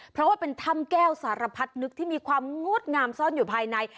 เพราะว่าเป็นถ้ำแก้วสารพัดนึกที่มีความงดงามซ่อนอยู่ภายใน